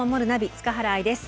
塚原愛です。